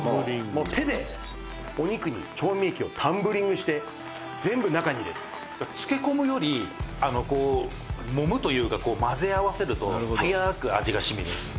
「もう手でお肉に調味液をタンブリングして全部中に入れる」「漬け込むよりこうもむというか混ぜ合わせると早く味が染み入ります」